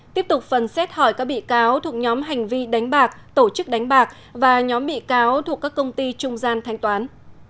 tiếp tục phần xét hỏi các bị cáo thuộc nhóm hành vi đánh bạc tổ chức đánh bạc và nhóm bị cáo thuộc các công ty trung gian thanh toán